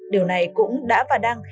điều này cũng đã và đang